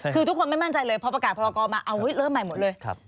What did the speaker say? คือทุกคนไม่มั่นใจเลยพอประกาศพรกรมาเริ่มใหม่หมดเลย